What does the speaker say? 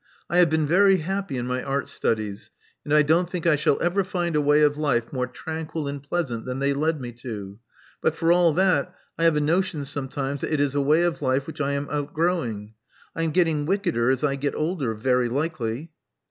I have been very happy in my art studies; and I don't think I shall ever find a way of life more tranquil and pleasant than they led me to; but, for all that, I have a notion sometimes that it is a way of life which I am out growing. I am getting wickeder as I get older, very likely."